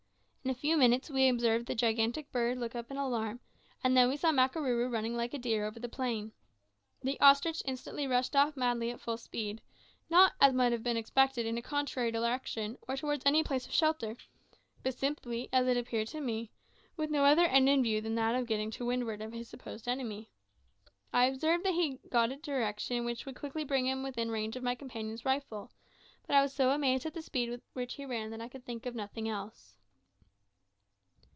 In a few minutes we observed the gigantic bird look up in alarm, and then we saw Makarooroo running like a deer over the plain. The ostrich instantly rushed off madly at full speed, not, as might have been expected, in a contrary direction, or towards any place of shelter, but simply, as it appeared to me, with no other end in view than that of getting to windward of his supposed enemy. I observed that he took a direction which would quickly bring him within range of my companion's rifle, but I was so amazed at the speed with which he ran that I could think of nothing else.